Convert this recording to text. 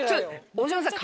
大島さん。